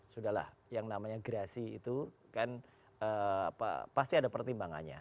sudahlah yang namanya gerasi itu kan pasti ada pertimbangannya